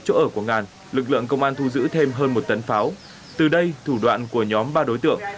chỗ ở của ngàn lực lượng công an thu giữ thêm hơn một tấn pháo từ đây thủ đoạn của nhóm ba đối tượng